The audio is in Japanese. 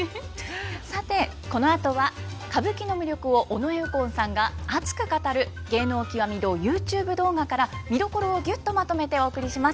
さてこのあとは歌舞伎の魅力を尾上右近さんが熱く語る「芸能きわみ堂」ＹｏｕＴｕｂｅ動画から見どころをギュッとまとめてお送りします。